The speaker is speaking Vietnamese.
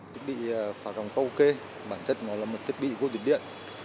thiết bị phá sóng karaoke bản chất nó là một thiết bị vô điện điện